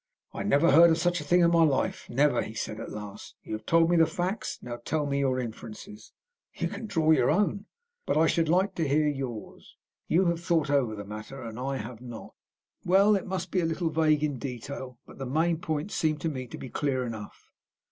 "I never heard of such a thing in my life, never!" he said at last. "You have told me the facts. Now tell me your inferences." "You can draw your own." "But I should like to hear yours. You have thought over the matter, and I have not." "Well, it must be a little vague in detail, but the main points seem to me to be clear enough.